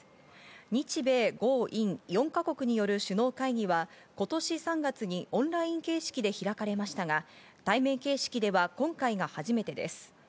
日米豪印４か国による首脳会議は、今年３月にオンライン形式で開かれましたが対面形式では今回が初めてです。